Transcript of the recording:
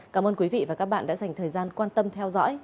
cảm ơn quý vị và các bạn đã dành thời gian quan tâm theo dõi